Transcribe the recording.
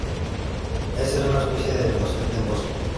Esta es una especie del dosel del bosque.